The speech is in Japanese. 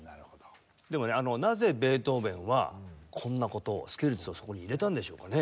でもねなぜベートーヴェンはこんな事をスケルツォをそこに入れたんでしょうかね？